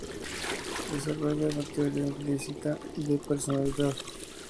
Desarrolla la Teoria implícita de la personalidad.